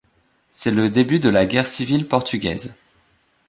C’est le début de la guerre civile portugaise.